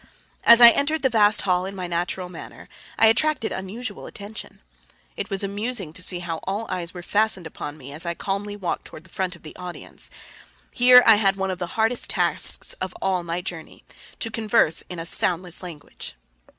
As I entered the vast hall in my natural manner I attracted unusual attention. It was amusing to see how all eyes were fastened upon me as I calmly walked toward the front of the audience. Here I had one of the hardest tasks of all my journey, to converse in a soundless language.